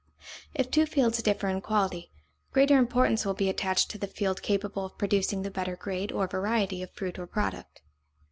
If two fields differ in quality, greater importance will be attached to the field capable of producing the better grade or variety of fruit or product.